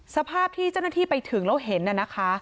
สภาพที่เจ้าหน้าที่ไปถึงแล้วเห็นน่ะนะคะ